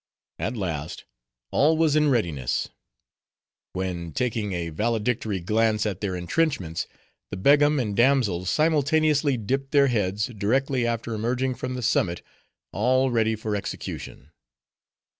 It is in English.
At last, all was in readiness; when, taking a valedictory glance, at their intrenchments, the Begum and damsels simultaneously dipped their heads, directly after emerging from the summit, all ready for execution.